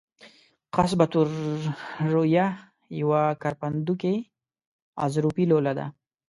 قصبة الریه یوه کرپندوکي غضروفي لوله ده.